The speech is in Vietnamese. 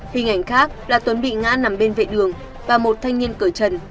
hình ảnh khác là tuấn bị ngã nằm bên vệ đường và một thanh niên cởi chân